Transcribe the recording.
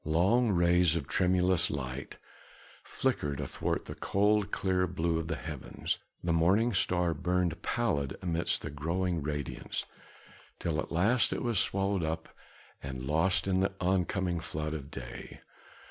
Long rays of tremulous light flickered athwart the cold, clear blue of the heavens, the morning star burned pallid amidst the growing radiance, till at last it was swallowed up and lost in the oncoming flood of day.